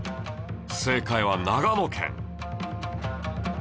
正解は長野県